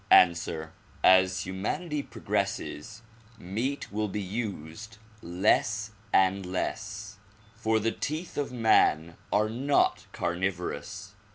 Answer: As humanity progresses, meat will be used less and less, for the teeth of man are not carnivorous.